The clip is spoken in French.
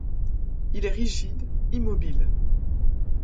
Il est rigide, immobile.